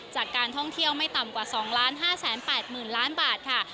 จากการท่องเที่ยวไม่ต่ำกว่า๒๕๘๐๐๐ล้านบาทค่ะ